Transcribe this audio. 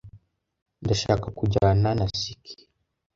Ndashaka kujyana na ski.